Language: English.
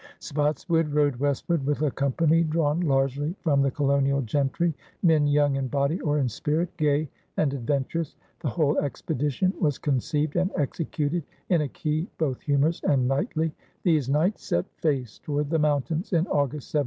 Spotswood rode westward with a company drawn largely from the colonial gentry, men yomig in body or in spirit, gay and adventurous. The whole expedition was conceived and executed in a key both humorous and knightly. These "Knights set face toward the mountains in August, 1716.